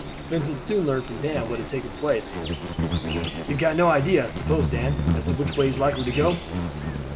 Vincent soon learned from Dan what had taken place. "You have no idea, I suppose, Dan, as to which way he is likely to go?"